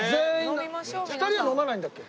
２人は飲まないんだっけ？